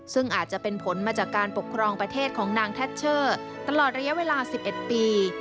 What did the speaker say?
ซึ่งอาจจะเป็นผลมาจากการปกครองประเทศของนางแทชเชอร์ตลอดระยะเวลา๑๑ปี